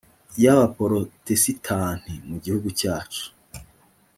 y abaporotesitanti mu gihugu cyacu